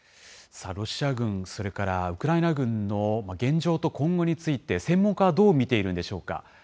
ロシア軍、それからウクライナ軍の現状と今後について、専門家はどう見ているんでしょうか。